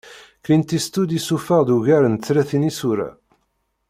Clint Eastwood yessufeɣ-d ugar n tlatin isura.